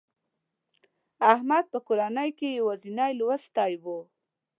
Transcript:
احمد په کورنۍ کې یوازینی لوستي و.